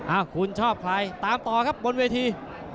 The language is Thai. คุณชอบใครตามต่อครับบนเวที